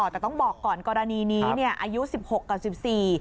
แต่ต้องบอกก่อนกรณีนี้เนี่ยอายุ๑๖กับ๑๔